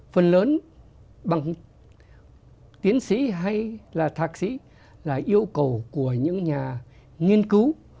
phần lớn bằng tiến sĩ hay là thạc sĩ là yêu cầu của những nhà nghiên cứu